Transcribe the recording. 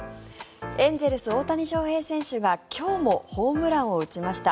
エンゼルス大谷翔平選手が今日もホームランを打ちました。